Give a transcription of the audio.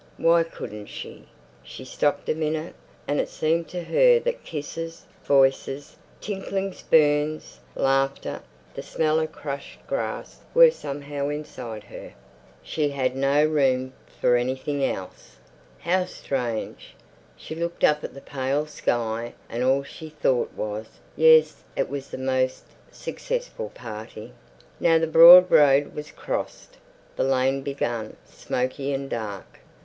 Why couldn't she? She stopped a minute. And it seemed to her that kisses, voices, tinkling spoons, laughter, the smell of crushed grass were somehow inside her. She had no room for anything else. How strange! She looked up at the pale sky, and all she thought was, "Yes, it was the most successful party." Now the broad road was crossed. The lane began, smoky and dark.